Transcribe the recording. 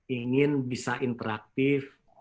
ingin bisa interaktif